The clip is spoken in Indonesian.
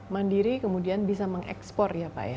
mandiri kemudian bisa mengekspor ya pak ya